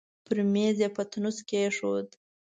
پر مېز يې پتنوس کېښود.